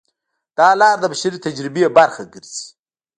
دا لار د بشري تجربې برخه ګرځي.